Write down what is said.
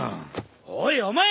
おいお前！